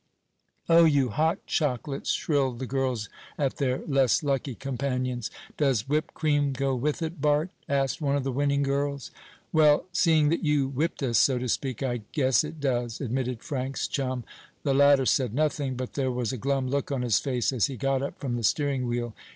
"Oh you hot chocolates!" shrilled the girls at their less lucky companions. "Does whipped cream go with it, Bart?" asked one of the winning girls. "Well, seeing that you whipped us, so to speak, I guess it does," admitted Frank's chum. The latter said nothing, but there was a glum look on his face as he got up from the steering wheel.